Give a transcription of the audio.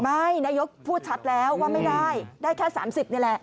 นายกพูดชัดแล้วว่าไม่ได้ได้แค่๓๐นี่แหละ